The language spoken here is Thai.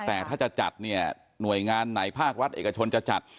แต่ถ้าจะจัดเนี่ยหน่วยงานไหนภาครัฐเอกชนจะจัด